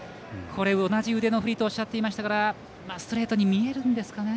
同じ腕の振りとおっしゃっていましたがストレートに見えるんですかね。